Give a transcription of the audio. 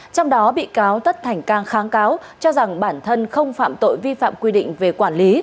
trong đó bị cáo tất thành cang kháng cáo cho rằng bản thân không phạm tội vi phạm quy định về quản lý